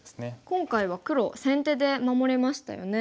今回は黒先手で守れましたよね。